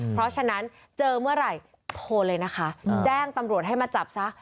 เพราะฉะนั้นเจอเมื่อไหร่โทรเลยนะคะแจ้งตำรวจให้มาจับซะ